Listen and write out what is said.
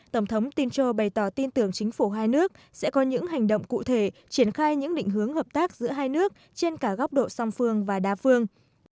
tổng thống tincha bày tỏ tin tưởng chính phủ hai nước sẽ có những hành động cụ thể triển khai những định hướng hợp tác giữa hai nước trên cả góc độ song phương và đa phương